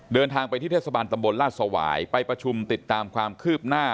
เดินทางไปที่เทศบาลตำบลราชสวายไปประชุมติดตามความคืบหน้า